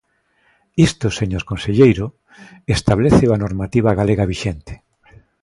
Isto, señor conselleiro, establéceo a normativa galega vixente.